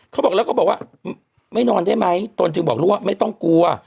เขาบอกแล้วก็บอกว่าไม่นอนได้ไหมตนจึงบอกลูกว่าไม่ต้องกลัว